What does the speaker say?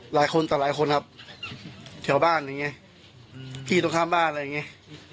หลายคนต่อหลายคนครับแถวบ้านอย่างนี้พี่ตรงข้ามบ้านอะไรอย่างนี้